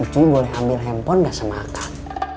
cuy boleh ambil handphone nggak semakan